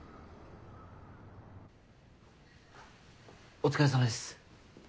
お疲れさまです。